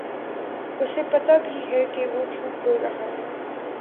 اُسے پتہ بھی ہے کہ وہ جھوٹ بول رہا ہے